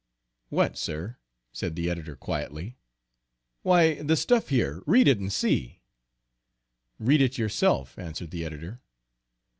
"What, sir?" said the editor quietly. "Why, the stuff here, read it and see." "Read it yourself," answered the editor.